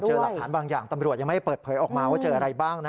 หลักฐานบางอย่างตำรวจยังไม่เปิดเผยออกมาว่าเจออะไรบ้างนะ